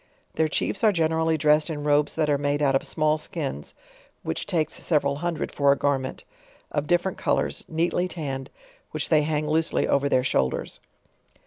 Their Chiefs are generally dres&ed in robes that are made out of email skins, (which takes several hundred for a garment,) of different colors, neatly tanned, which they ha.ng loosely over their shoulders.